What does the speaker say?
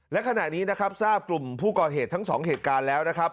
และขณะนี้นะครับทราบกลุ่มผู้ก่อเหตุทั้งสองเหตุการณ์แล้วนะครับ